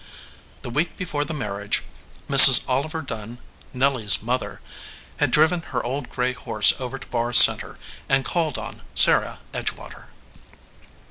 The week before 186 SOUR SWEETINGS the marriage, Mrs. Oliver Dunn, Nelly s mother, had driven her old gray horse over to Barr Center, and called on Sarah Edgewater.